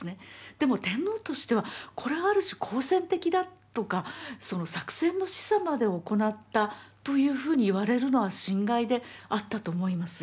でも天皇としてはこれはある種好戦的だとかその作戦の示唆までを行ったというふうに言われるのは心外であったと思います。